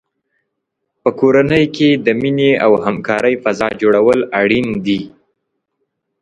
په کورنۍ کې د مینې او همکارۍ فضا جوړول اړین دي.